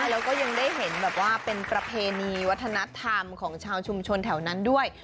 แล้วก็ยังได้เห็นแบบว่าเป็นประเพณีวัฒนธรรมของชาวชุมชนแถวนั้นด้วย